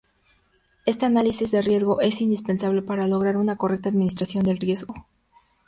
Este análisis de riesgo es indispensable para lograr una correcta administración del riesgo.